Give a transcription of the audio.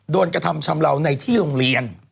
๒โดนกระทำชำระวในที่โรงเรียน